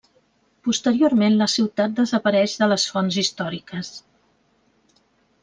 Posteriorment la ciutat desapareix de les fonts històriques.